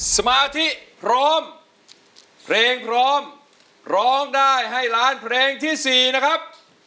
สมาธิพร้อมเพลงพร้อมร้องได้ให้ล้านเพลงที่๔นะครับ